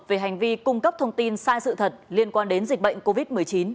về hành vi cung cấp thông tin sai sự thật liên quan đến dịch bệnh covid một mươi chín